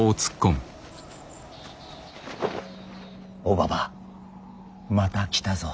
おばばまた来たぞ。